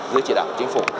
dưới chỉ đạo của chính phủ